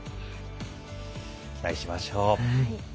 期待しましょう。